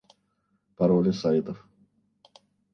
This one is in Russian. Пароли сайтов